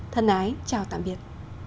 thân ái chào tạm biệt